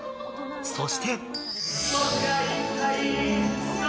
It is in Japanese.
そして。